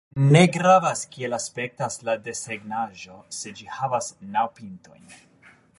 Ne gravas kiel aspektas la desegnaĵo se ĝi havas naŭ pintojn.